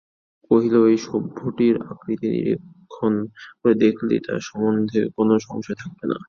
কহিল, এই সভ্যটির আকৃতি নিরীক্ষণ করে দেখলেই ও সম্বন্ধে কোনো সংশয় থাকবে না।